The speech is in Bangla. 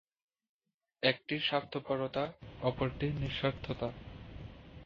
একটি স্বার্থপরতা, অপরটি নিঃস্বার্থতা।